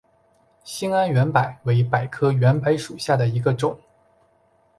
兴安圆柏为柏科圆柏属下的一个种。